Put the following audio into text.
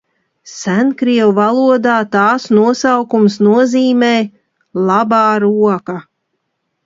"Senkrievu valodā tās nosaukums nozīmē "labā roka"."